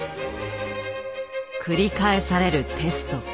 繰り返されるテスト。